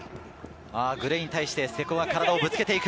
グレイに対して瀬古が体をぶつけて行く。